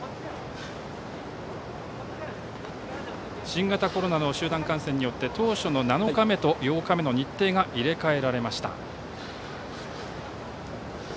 新型コロナの集団感染によって当初の７日目と８日目の日程が入れ替えられました。